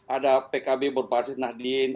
ada pkb berbasis nahdin